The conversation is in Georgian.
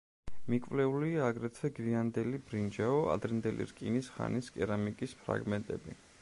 მიკვლეულია აგრეთვე გვიანდელი ბრინჯაო-ადრინდელი რკინის ხანის კერამიკის ფრაგმენტები.